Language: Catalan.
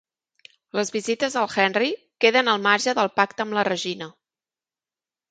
Les visites al Henry queden al marge del pacte amb la Regina.